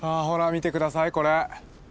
見て下さいこれ。